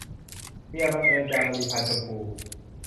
เมียบังเอิญ - จามรี พรรณชมพู